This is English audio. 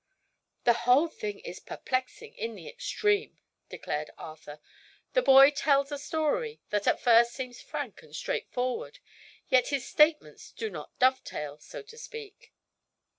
"The whole thing is perplexing in the extreme," declared Arthur. "The boy tells a story that at first seems frank and straightforward, yet his statements do not dovetail, so to speak."